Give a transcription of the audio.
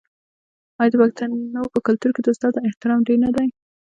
آیا د پښتنو په کلتور کې د استاد احترام ډیر نه دی؟